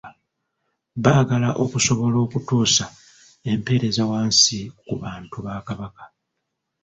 Baagala okusobola okutuusa empeereza wansi ku bantu ba Kabaka.